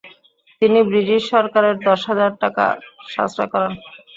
তিনি বৃটিশ সরকারের দশ হাজার টাকার সাশ্রয় করান।